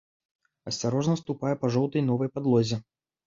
Асцярожна ступае па жоўтай новай падлозе.